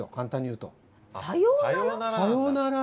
「さようなら」？